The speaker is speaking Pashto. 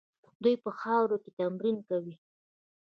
دوی په خاورو کې تمرین کوي.